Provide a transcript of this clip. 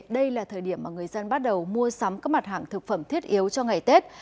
đây là thời điểm mà người dân bắt đầu mua sắm các mặt hàng thực phẩm thiết yếu cho ngày tết